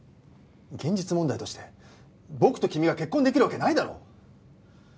現実問題として僕と君が結婚できるわけないだろ！